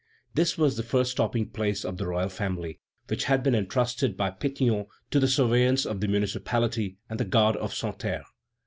This was the first stopping place of the royal family, which had been entrusted by Pétion to the surveillance of the municipality and the guard of Santerre.